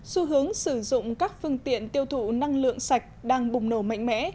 xu hướng sử dụng các phương tiện tiêu thụ năng lượng sạch đang bùng nổ mạnh mẽ